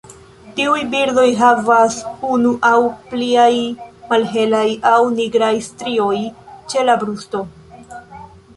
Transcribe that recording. Tiuj birdoj havas unu aŭ pliaj malhelaj aŭ nigraj strioj ĉe la brusto.